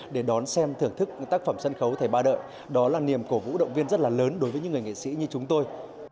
để đón xem thưởng thức tác phẩm sân khấu thầy ba đợi đó là niềm cổ vũ động viên rất là lớn đối với những người nghệ sĩ như chúng tôi